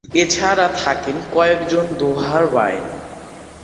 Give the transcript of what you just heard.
এছাড়া থাকেন কয়েকজন দোহার-বায়েন।